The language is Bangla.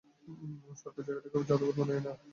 সরকার জায়গাটাকে, জাদুঘর বানায়া দেয়।